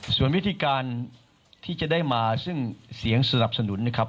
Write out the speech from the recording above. ส่วนวิธีการที่จะได้มาซึ่งเสียงสนับสนุนนะครับ